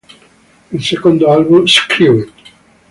Il secondo album "Screw It!